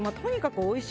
おいしい！